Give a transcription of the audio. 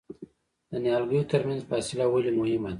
د نیالګیو ترمنځ فاصله ولې مهمه ده؟